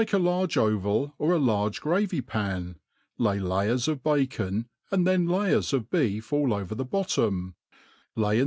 a large oval of a large gravy pao, lay layers of bacon, and then layers of beef all over the bottoms lay in.